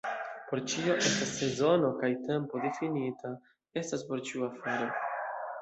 Por ĉio estas sezono, kaj tempo difinita estas por ĉiu afero.